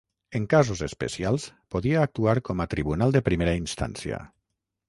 En casos especials, podia actuar com a tribunal de primera instància.